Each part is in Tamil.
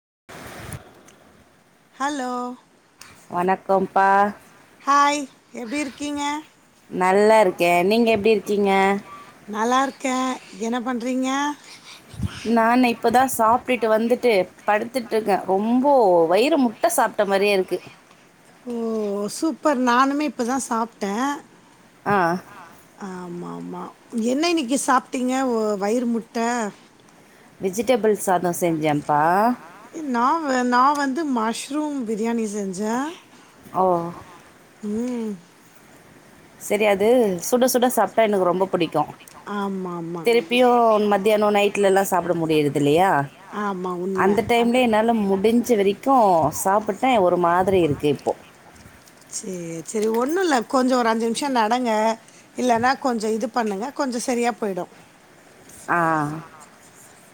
[inaudible] ஹலோ வணக்கம்ப்பா. ஹாய் எப்டி இருக்கீங்க? நல்லா இருக்கே நீங்க எப்டி இருக்கீங்க? கே என்ன பண்றீங்க? நானு இப்பதா சாப்ட்டுட்டு வந்துட்டு படுத்துட்ருக்கே ரொம்ப வயிறு முட்ட சாப்ட்ட மாரியே இருக்கு ஓ சூப்பர் நானுமே இப்பதா சாப்ட்டே ஆ ஆமா ஆமா என்ன இன்னக்கி சாப்ட்டீங்க வ வயிறு முட்ட வெஜிடபுள் சாதோ செஞ்சேம்ப்பா நா நா வந்து மஷ்ரூம் பிரியாணி செஞ்சே ஓ ம் செரி அது சுட சுட சாப்ட்டா எனக்கு ரொம்ப புடிக்கு ஆமா ஆமா தியானோ நைட்ல எல்லா சாப்ட முடியறது இல்லையா ஆமாம் உண்மை அந்த டைம்லயே என்னால முடிஞ்ச வரைக்கு சாப்புட்டே ஒரு மாதிரி இருக்கு இப்போ செரி செரி ஒண்ணு இல்ல கொஞ்சோ ஒரு அஞ்சு நிமிஷோ நடங்க இல்லன்னா கொஞ்சம் இது பண்ணுங்க கொஞ்சம் செரியா போயிடு ஆ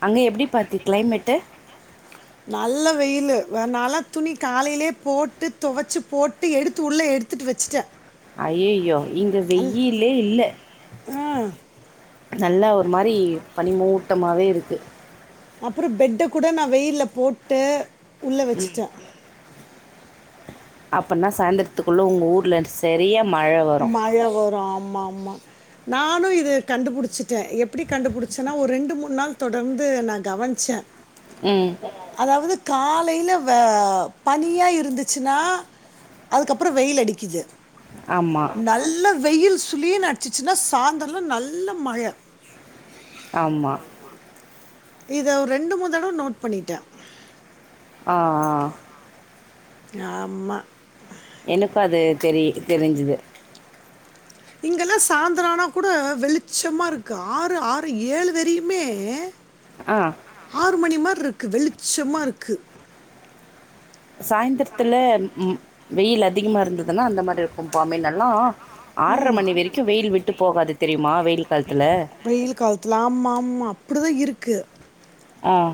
அங்க எப்டி பார்த்தி க்ளைமெட்டு நல்ல வெயிலு அதனால துணி காலைலயே போட்டு துவச்சு போட்டு எடுத்து உள்ள எடுத்துட்டு வச்சுட்டே ஐயையோ இங்க வெயிலே இல்ல ம் நல்லா ஒரு மாரி பனிமூ மூட்டமாவே இருக்கு அப்புறோ பெட்ட கூட நா வெயில போட்டு உள்ள வச்ட்டே அப்பனா சாயந்திரத்துக்குள்ள உங்க ஊர்ல செரியா மழ வரு ஆம் ஆமா ஆமா நானு இத கண்டுபிடிச்சட்டே எப்டி கண்டுபிடிச்சேன்னா ஒரு ரெண்டு மூணு நாள் தொடர்ந்து நா கவனிச்சே ம். அதாவது காலையில வ பனியா இருந்துச்சுனா அதுக்கப்புறோ வெயில் அடிக்குது ஆமா. நல்ல வெயில் சுளிர்னு அடிச்சிச்சுன்னா சாயந்தர்லா நல்ல மழ ஆம்மா இத ஒர் ரெண்டு மூனு தடவ நோட் பண்ணிட்டே ஆ ஆ ஆம்மா எனக் அது தெரி தெரிஞ்சுது இங்கெல்லா சாயந்தரனா கூட வெளிச்சமா இருக்கு ஆறு ஆறு ஏழு வரையுமே அ ஒரு மணி மாரி இருக்குது ச்சமா இருக்கு சாய்ந்திரத் துல ம் வெயில் அதிகமா இருந்ததுன்னா அந்த மாரி இருக்கு பாம்பே நல்லா ஆர்ர மணி வெரைக்கு வெயில் விட்டு போகாது தெரியுமா? வெயில் காலத்துல. வெயில் காலத்துலா ஆம்மா ஆம்மா அப்டி தா இருக்கு ம்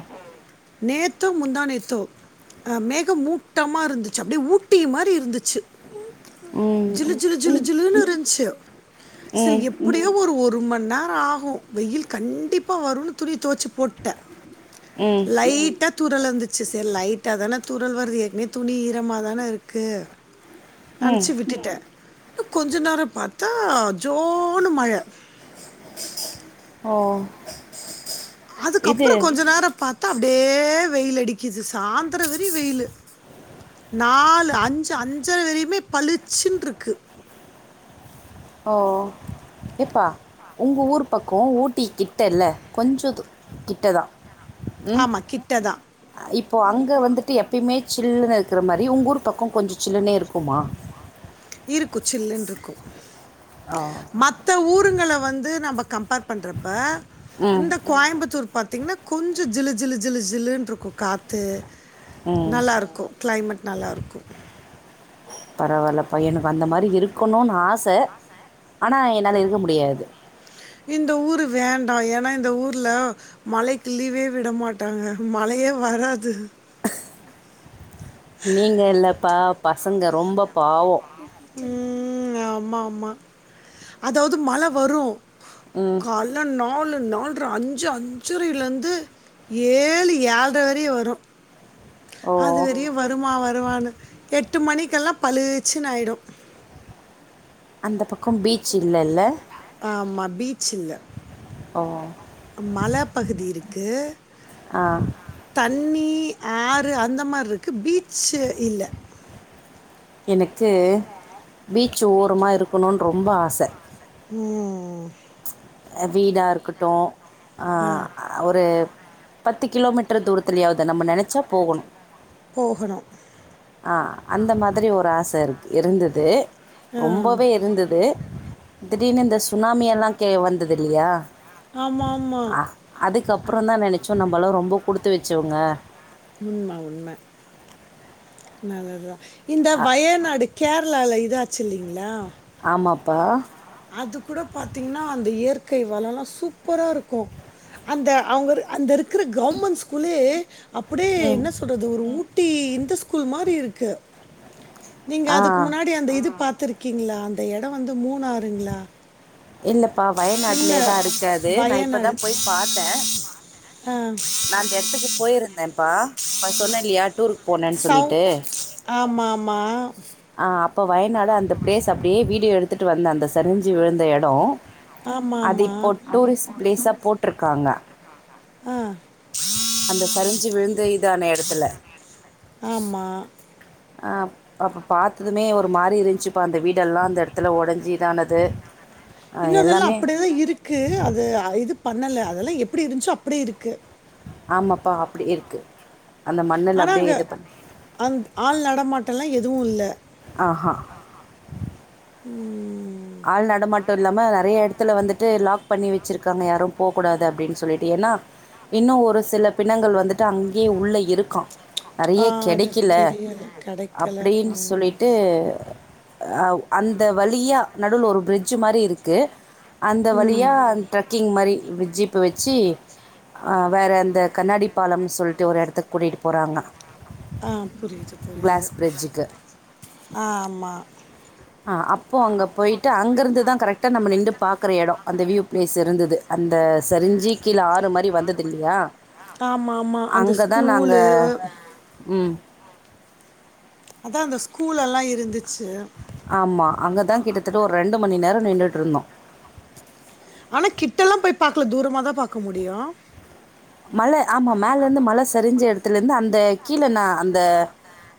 நேத்தோ முந்தா நேத்தோ அ மேகமூட்டமா இருந்துச்சு அப்டி ஊட்டி மாரி இருந்து ச்சு ம். ஜிலு ஜிலு ஜிலு ம். ஜிலு னு இருந்துச்சு சரி ம். எப்டியோ ஒரு ஒரு ஒருமணி நேரோ ஆகு வெயில் கண்டிப்பா வரும்னு துணி தோவச்சு போட்டே ம். லைட்டா தூறல் வந்துச்சு செர் லைட்டா தான தூறல் வருது எற்கனே துணி ஈரமா தானெ இருக்கு ம். நன்ச்சு விட்டுட்டே டு கொஞ்ச நேர பாத்தா ஜோனு மழ ஓ அதுக்கப்ற இது கொஞ்ச நேர பாத்தா அப்டே வெயிலடிக்கிது சாந்துர வரயு வெயிலு நாலு அஞ்சு அஞ்சர வரையுமே பளிச்சுன்ருக்கு ஓ எப்பா உங்க ஊர் பக்கோ ஊட்டி கிட்டெல்ல கொஞ்ச து கிட்ட தா ம் ஆமாம் கிட்ட தான் இப்போ அங்க வந்துட்டு எப்பய்மே சில்லுனு இருக்குற மாரி உங்க ஊர் பக்கொ கொஞ்ச சில்லுனே இருக்குமா க்கு ஆ மத்த ஊருங்கள வந்து நம்ப [unintelligible] பண்றப்ப ம் இந்த கோயம்புத்தூர் பாத்தீங்கனா கொஞ்சொ ஜிலு ஜிலு ஜிலு ஜிலுன்ருக்கு காத்து ம் நல்லாருக்கு க்ளைமட் நல்லாருக்கு பரவால்ல பையனுக்கு அந்த மாரி இருக்கணுன் ஆச ஆனா என்னால இருக்க முடியாது இந்த ஊரு வேண்டா ஏனா இந்த ஊர்ல மழைக்கு லீவே விட மாட்டாங்க மழையே வராது நீங்க இல்லப்பா பசங்க ரொம்ப பாவம் ம் ஆ மாமா அதாவ்து மழ வரு ம் கால்ல நாலு நா நால்ர அஞ்சு அஞ்சரைலெந்து ஏழு ஏழ்ர வரையு வரு ஓ அது வரையு வருமா வருவானு எட் டு மணிக்கெல்லா பளு ச்சுனு ஆய்டு அந்த பக்கம் பீச் இல்லெல்ல ஆமா பீச் இல்ல ஓ மல பகுதி இருக்கு ஆ தண்ணி ஆறு அந்த மார் இருக் கு பீச்சு இல்ல எனக்கு பீச் ஓரமா இருக்கனுன் ரொம்ப ஆச ம் அ வீடா இருக்கட்டு ஆ ஒரு பத்து கிலோ மீட்டர் தூரத்துலயாவது நம்ம நெனச்சா போகணு போகணு ஆ அந்த மாதிரி ஒரு ஆச இரு க்கு இருந்துது ரொம்பவே இருந்துது திடீர்னு இந்த சுனாமியல்லா கே வந்தது இல்லையா? ஆமாம் ஆமாம் ஆ அதுக்கப்புறோந்தா நெனச்சோ நம்பல்லா ரொம்போ குடுத்து வச்சவங்க உண்ம உண்ம நல்லதுதா இந்த அ வயநாடு கேரளால இதா ச்சு இல்லைங்களா? ஆமாப்பா அது கூட பாத்தீங்கன்னா அந்த இயற் கை வளோ எல்லா சூப்பரா இருக்கு அந்த அவங்க ஒரு அந்த இரு க்கிற கவர்மெண்ட் ஸ்கூலே அப்பிடியே ம் என்ன சொல்றது ஒரு ஊட்டி இந்த ஸ் கூல் மாரி இருக்கு நீங்க ஆ அதுக்கு முன்னாடி அந்த இது பாத்துரு க்கீங்களா அந்த எடோ வந்து மூணாறுங்களா இல்ல ப்பா இல்ல வயநாட்லயேதா இருக்கு அது நா இப்பதா வயநாடு போய் பாத்தே ஆ நா அந்த எடத்துக்கு போயிருந்தேம்ப்பா அப்ப சொன்னே இல்லயா டூரு சௌ ஆமா ஆமா ஆ அப்ப வயநாடு அந்த பிளேஸ் அப்டியே வீடியோ எடுத்துட்டு வந்த அந்த சரிஞ்சி விழுந்த எடோ அது ஆமா இப்போ டூரிஸ்ட் பிளேஸா போட்ருக்காங்க ஆமா ஆ அந்த சரிஞ்சு விழுந்த இதான எடத்துல ஆமா ஆ அப்ப பாத்ததுமே ஒரு மாரி இருந்துச்சு அப்ப அந்த வீடெல்லா அந்த எடத்துல ஒடஞ்சி இதானது ஆ இன்னு அதெல்லா எல்லாமே அப்பிடியேதா இருக்கு அது அ இது பண்ணல அதெல்லா எப்பிடி இருந்துச்சோ அப்படியே இருக்கு ஆமாப்பா அப்டி இருக்கு அந்த மண்ணுல ஆனா அங்க அப்டியே இது பண் அந் ஆள் நடமாட்டொல்லா எ துவுல்ல ஆ ஹா ம் ஆள் நடமாட்டொ இல்லாம நறைய எடத்துல வந்து ட்டு லாக் பண்ணி வச்சுருக்காங்க யாரு போகூடாது அப்டின் சொல்லிட்டு என்னா இன்னு ஒரு சில பிணங்கள் வந்துட்டு அங்யே உள்ள இருக்கா ஆ நறைய அது கெடக்கில தெரியல. கெடைக்கல. அப்டின் ம். சொல்லிட்டு ஆ அந்த வழியா நடுவ்ல ஒரு பிரிட்ஜு மாரி இருக்கு அந்த வழியா ம். அன் ட்ரக்கிங் மாரி [unintelligible] ஜூப்ப வச்சி அ வேற அந்த கண்ணாடி பாலம்னு சொல்ட்டு ஒரு எடத்துக்கு கூட்டிட்டு போறாங்க ஆ புரியிது புரியிது பிரிட்ஜுக்கு ஆ ஆமா ஆ அப்பொ அங்க போயிட்டு அங்கருந்துதா கரெக்டா நம்ம நின்டு பாக்குற எடொ அந்த வ்யூ ப்ளேஸ் இருந்தது அந்த சரிஞ்சி கீழ ஆறு மாரி வந்ததில்லயா ஆமாமா அந்த ஸ்கூலு ம். அதா அந்த ஸ்கூலல்லா இருந்து ஆமா அங்கதா கிட்டத்தட்ட ஒர் ரெண்டு மணி நேர நின்டு ட்ருந்தோ ஆனா கிட்டல்லா போய் பாக்ல தூரமாதா பாக்க முடியு மல ஆமா மேலர்ந்து மல சருஞ்ச எடத்துலந்து அந்த கீழ நா அந்த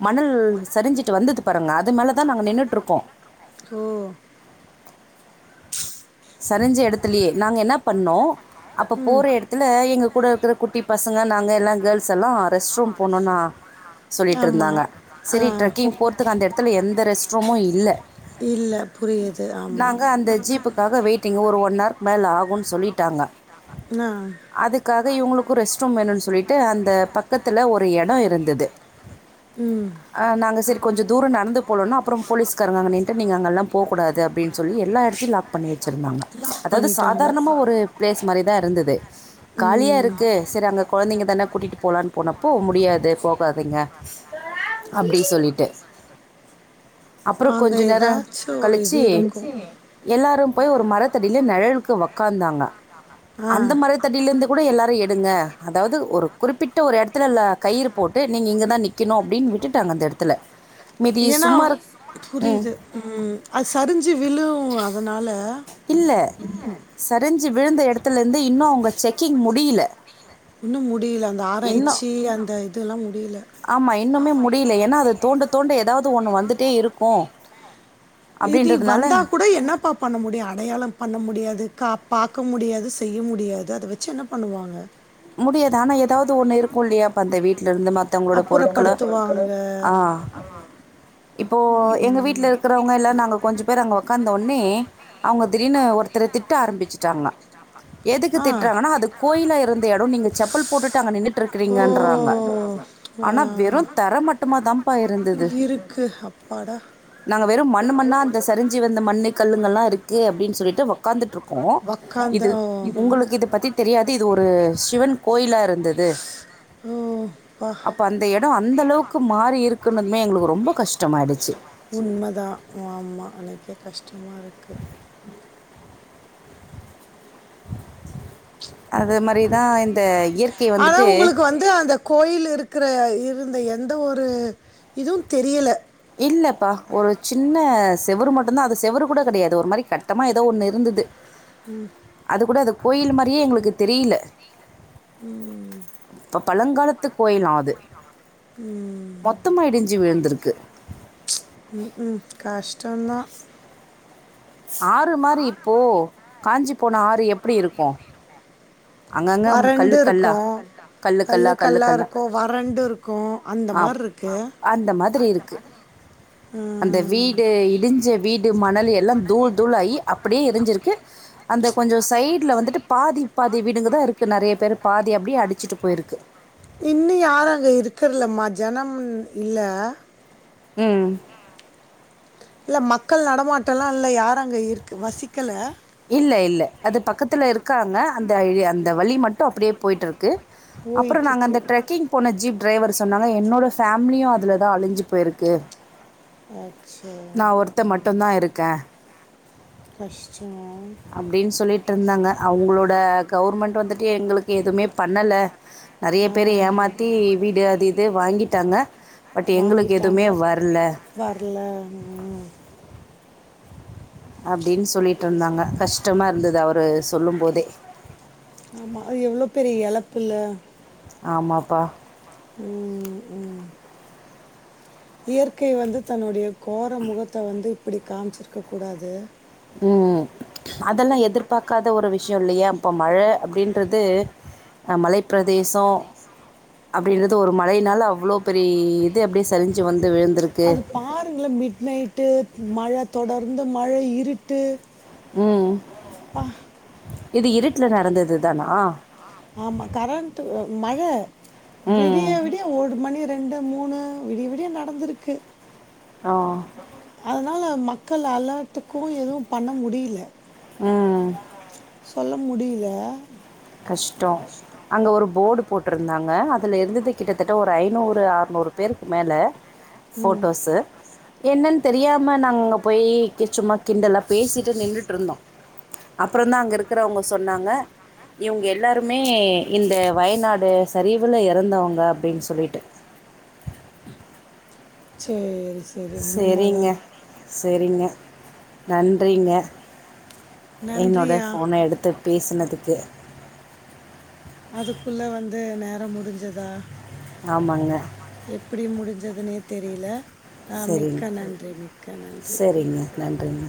மணல் சரிஞ்சிட்டு வந்தது பாருங்க அது மேலேதா நாங்க நின்னுட்ருக்கோ ஓ சரிஞ்ச எடத்துலயே நாங்க என்ன பண்ணோ அப்ப ம். போற எடத்துல எங்க கூட இருக்குற குட் டி பசங்க நாங்க எல்லா கேர்ள்ஸ் எல்லா ரெஸ்ட் ரூம் போனுனா ஆமா. சொல்லிட்ருந்தாங்க ஆ. செரி ட்ரெக்கிங் போறதுக்கு அந்த எடத்துல எந்த ரெஸ்ட்ரூமு இல்ல இல்ல. புரியுது. ஆமா. நாங்க அந்த ஜீப்பு டிங்க ஒ ரு ஒன் ஆர்கு மேல ஆகுன் சொல்லிட்டாங்க நான் அதுக்காக இவுங்களுக்கு ரெஸ்ட்ரூம் வேணுன் சொல்லி ட்டு அந்த பக்கத்துல ஒரு எடொயிருந்தது ம் அ நாங்க செரி கொஞ்ச தூர நடந்து போலொன்னு அப்றொம் போலீஸ்காரங்க அங்க நின்ட்டு நீங்க அங்கல்லா போ கூடாது அப்டின் சொல்லி எல்லா எடத்தையு லாக் பண்ணி வச்சிருந்தாங்க லாக் அதாவ்து பண்ணிட்டாங்க சாதார்ணமா ஒரு ப்ளேஸ் மாரிதா இருந்தது காலியா ம் இருக்கு செரி அங்க கொழந்தைங்க தான கூட்டிட்டு போலா ன் போனப்போ முடியாது போகாதிங்க அப்டி சொல்லிட்டு அப்புறம் அங்க கொஞ்ச நேரம் எதாச்சு ஒரு இது இருக்கு எல்லாரு போய் ஒரு மரத்தடியில நெழலுக்கு ஒக் கந்தாங்க ஆ அந்த மரத்தடியில இருந்து கூட எல்லாரு எடுங்க அதாவது ஒரு குறிப்பிட்ட ஒரு எடத்துலல்ல கயிறு போட்டு நீங்க இங்கதா நிக்கணு அப்டின் விட்டுட்டாங்க அந்த எடத்துல ஏன்னா ம் புரியுது ம் அது சரிஞ்சு விழு அ தனால இல்ல சரிஞ் சு விழுந்த எடத்துல இருந்து இன்னு அவுங்க செக்கிங் முடியல இன்னு முடியல அந்த ஆராய்ச்சி அந்த இதல்லா முடியல ஆமா இன்னுமே முடியல ஏன்னா அது தோண்ட தோண்ட ஏதாவது ஒண்ணு வந்துட்டே இருக்கு இதி வந்தா கூட என்னப்பா பண்ண முடியு அடையாளோ பண்ண முடியாது கா பாக்க முடியாது செய்ய முடியாது அத வச்சு என்ன பண்ணுவாங்க முடியாது ஆனா எதாவது ஒண்ணு இருக்கு இல்லையா அப்ப அந்த வீட் ல இருந்து மத்தவங்களோட பொருட்கள அப்புறப்படுத்துவாங்க ஆ இப்போ எங்க வீட்ல இருக்கறவங்க எல்லா நாங்க கொஞ்ச பேர் அங்க ஒக்காந்த உடனே அவங்க திடீர்னு ஒருத்தர திட்ட ஆரம்பிச்சுட்டாங்க எதுக்கு ஆ திட்றாங்கன்னா அது கோயிலா இருந் த எடோ நீங்க செப்பல் போட்டுட்டு அங்க நின்னுட் ருக்கறீங்கன்றாங்க ஓ ஆனா வெறு ஆ தர மட்டுமாதாம்ப்பா இருந்துது இருக்கு அப்பாடா நாங்க வெறு மண்ணு மண்ணா அந்த சரிஞ்சி வந்த மண்ணு கல்லுங்கல்லா இருக்கு அப்டின் சொல்லிட்டு ஒக்காந்துட்ருக்கோ உக்காந்த இது ஓ உங்களுக்கு இது பத்தி தெரியாது இது ஒரு சிவன் கோயிலா இரு துது ஓ பா அப்ப அந்த எடோ அந்த அளவுக்கு மாறி இருக்குன்னதுமே எங்களுக்கு ரொம்ப கஷ்டமாயிடுச்சு உண்மைதான் ஆமா எனக்கே கஷ்டமா இருக்கு ம் அது மாரிதா இந்த இயற்கை வந்துட்டு கோயிலு இருக்குற இருந்த எந்த ஒரு இதுவு தெரியல இல்லப்பா ஒரு சின்ன செவுரு மட்டுந்தா அது செவுரு கூட கெடையாது ஒரு மாரி கட்டமா எதோ ஒண்ணு இருந்துது ம் து கூட அது கோயில் மாரியே எங்களுக்கு தெரியல ம் ப பழங்காலத்து கோயிலா அது ம், மொத்தமா இடிஞ்சு விழுந்திருக்கு கஷ்டந்தா ஆறு மாரி இப்போ காஞ்சு போன ஆறு எப்பிடி இருக்கு வறண்டு இருக்கு கல்லு கல்லா இருக்கு வறண்டு இருக்கு அந்த அ அப் மாதிரி அந்த மாதிரி இருக்கு அந்த ம். வீடு இடிஞ்ச வீடு மணல் எல்லா தூள் தூளாயி அப்டியே இடிஞ்சிருக்கு அந்த கொஞ்ச சை ட்ல வந்துட்டு பாதி பாதி வீடுங்கதா இருக்கு நறைய பேரு பாதி அப்டியே அடுச்சுட்டு போயிருக்கு இன்னு யாரு அங்க இருக்கற்லம்மா ஜனம் இல்ல ம் இல்ல மக்கள் நடமாட்டொல்லா இல்ல யாரு அங்க இருக்கு வசிக்கல இல்ல இல்ல அது பக்கத்துல இருக்காங்க அந்த அந்த வழி மட்டு அப்பிடியே போயிட்ருக்கு அப்புறொ நாங்க போயிட்டுருக்கு அந்த ட்ரெக்கிங் போன ஜிப் ட்ரைவர் சொன்னாங்க என்னோட ஃபேமிலியு அதுலதா அழிஞ்சு போயிருக்கு அச்சோ நான் ஒருத்தன் ம் மட்டும்தான் இருக்கேன் கஷ்டோ அப்டின் சொல்லிட்ருந்தாங்க அவுங்களோட கவர்மெண்ட் வந்துட்டு எங்களுக்கு எதுமே பண்ணல நறைய ஆ, பேரு ஏமாத்தி வீடு அது இது வாங்கிட்டாங்க பட் எங்களுக்கு வாங்கிட்டாங்க எதுவுமே வரல வர்ல ம் அப்டின் சொல்லிட்ருந்தாங்க கஷ்டமா இருந்தது அவரு சொல்லும் போதே [inaudible] ஆமா அது எவ்ளோ பெரிய எழப்புல்ல ஆமாப்பா ம் ம் இயற்கை வந்து தன்னுடைய கோர முகத்த வந்து இப்பிடி காமிச்சிருக்க கூடாது ம் அதெல்லா எதிர்பாக்காத ஒரு விஷ்யொ இல்லயா இப்ப மழ அப்டின்றது அ மலைப்பிரதேசொ அப்டின்றது ஒரு மழைனால அவ்ளோ பெரிய இது அப்டியே சரிஞ்சு வந் அது பாருங்களெ மிட் நைட்டு மழ தொடர்ந்து மழ இருட்டு ம் அப்பா இது இருட்ல நடந்தது தானா ஆமா கரண்ட்டு ஒ மழ ம். விடிய விடிய ஒடு மணி ரெ ண்டு மூணு விடிய விடிய நடந்துருக்கு ஆ னால மக்கள் அலாட்டுக்கு எதுவு பண்ண முடியில ம் தள்ள முடியில கஷ்டொ அங்க ஒரு போர்டு போட்ருந்தாங் ங அதுல இருந்தது கிட்டத்தட்ட ஒரு ஐநூறு ஆறுநூறு பேருக்கு மேல ஃபோட்டோஸு என்னனு தெரியாம நாங்க அங்க போய் கி சும்மா கிண்டலா பேசிட்டு நின்னுட்ருந்தோ அப்பறோந்தா அங்க இருக்கிறவங்க சொன்னாங்க இவங்க எல்லாருமே இந்த வயநாடு சரிவுல எறந்தவங்க அப்டினு சொல்லிட்டு சேரி சேரிங்க சேரிங்க நன்றிங்க என்னோட நன்றியா ஃபோன எடுத்து பேசனதுக் து அதுக்குள்ள வந்து நேரோ முடிஞ்சுதா ஆமாங்க எப்டி முடிஞ் ததுனே தெரில ஆ சேரிங்க மிக்க நன்றி மிக்க சரிங்க நன்றி நன்றிங்க